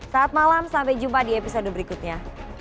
saat malam sampai jumpa di episode berikutnya